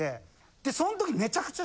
でそん時めちゃくちゃ。